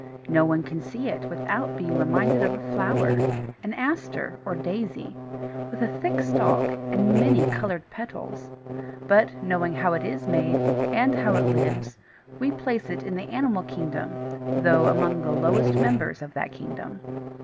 No one can see it without being reminded of a flower, an Aster or Daisy, with a thick stalk and many coloured petals; but, knowing how it is made, and how it lives, we place it in the Animal Kingdom, though among the lowliest members of that Kingdom.